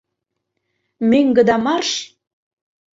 — Мӧҥгыда марш!